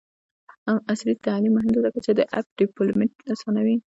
عصري تعلیم مهم دی ځکه چې د اپ ډیولپمنټ اسانوي.